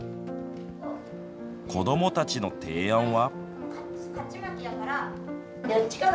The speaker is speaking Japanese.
子どもたちの提案は。